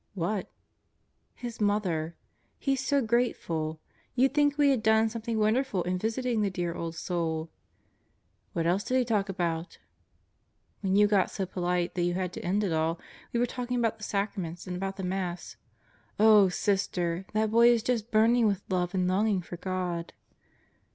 "What?" "His mother. He's so grateful. You'd think we had done some thing wonderful in visiting the dear old soul." "What else did he talk about?" "When you got so polite that you had to end it all, we were talking about the sacraments and about the Mass. Oh, Sister, that boy is just burning with love and longing for God."